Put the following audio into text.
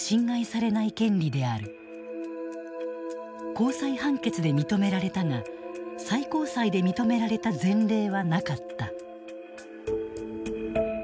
高裁判決で認められたが最高裁で認められた前例はなかった。